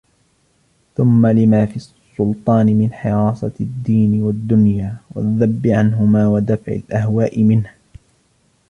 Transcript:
ثُمَّ لِمَا فِي السُّلْطَانِ مِنْ حِرَاسَةِ الدِّينِ وَالدُّنْيَا وَالذَّبِّ عَنْهُمَا وَدَفْعِ الْأَهْوَاءِ مِنْهُ